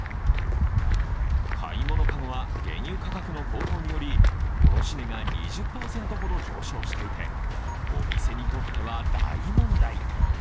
買い物かごは原油価格の高騰により卸値が２０％ほど上昇していてお店にとっては、大問題。